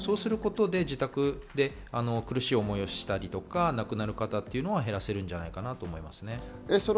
自宅で苦しい思いをしたりとか亡くなる方というのを減らせるんじゃないかなと思います。